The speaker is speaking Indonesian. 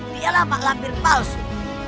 dialah mak lampir palsu